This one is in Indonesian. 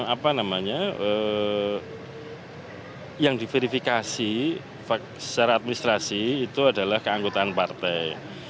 apa namanya yang diverifikasi secara administrasi itu adalah keanggotaan partai